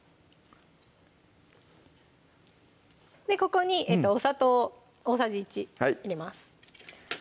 ここにお砂糖大さじ１入れます